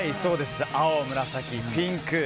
青、紫、ピンク。